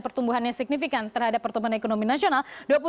pertumbuhannya signifikan terhadap pertumbuhan ekonomi nasional